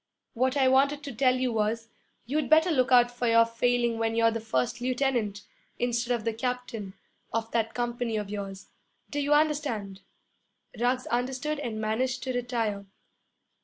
What I wanted to tell you was, you'd better look out for your failing when you're the first lieutenant, instead of the captain, of that company of yours. Do you understand?' Ruggs understood and managed to retire.